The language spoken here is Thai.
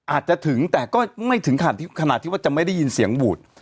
อาจจะถึงแต่ก็ไม่ถึงขนาดที่ว่าจะไม่ได้ยินเสียงหวูด